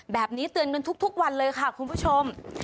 แบบนี้เตือนกันทุกวันเลยค่ะคุณผู้ชม